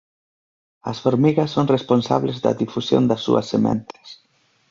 As formigas son responsables da difusión das súas sementes.